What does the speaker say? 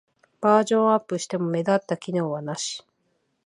バージョンアップしても目立った機能はなし